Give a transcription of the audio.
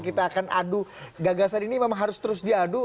kita akan adu gagasan ini memang harus terus diadu